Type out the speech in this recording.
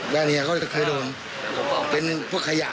ไม่ให้คุณบอก